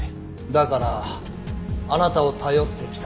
だからあなたを頼って来た。